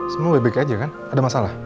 semua baik baik aja kan ada masalah